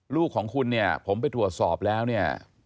ลูกของคุณเนี่ยผมไปตรวจสอบแล้วเนี่ย